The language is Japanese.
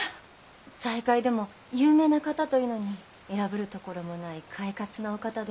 財界でも有名な方というのに偉ぶるところもない快活なお方で。